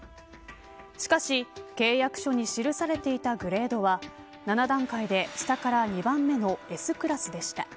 しかし契約書に記されていたグレードは７段階で下から２番目のＳクラスでした。